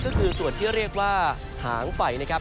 ก็คือส่วนที่เรียกว่าหางไฟนะครับ